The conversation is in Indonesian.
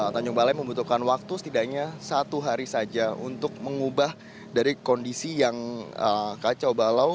tanjung balai membutuhkan waktu setidaknya satu hari saja untuk mengubah dari kondisi yang kacau balau